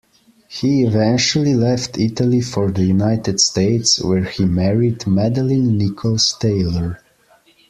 He eventually left Italy for the United States, where he married Madalyn Nichols Taylor.